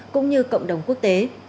cũng như cộng đồng quốc tế